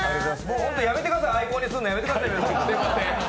ホントやめてください、アイコンにするのやめてください。